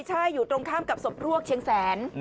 ใช่อยู่ตรงข้ามกับศพรวกเชียงแสน